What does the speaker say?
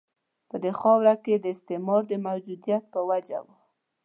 په دې خاورو کې د استعمار د موجودیت په وجه وه.